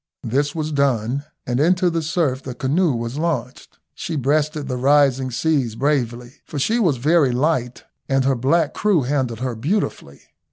This was done, and into the surf the canoe was launched. She breasted the rising seas bravely, for she was very light, and her black crew handled her beautifully.